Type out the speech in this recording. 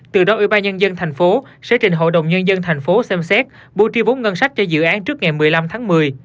từ đó ubnd tp sẽ trình hội đồng nhân dân tp xem xét bu tri vốn ngân sách cho dự án trước ngày một mươi năm tháng một mươi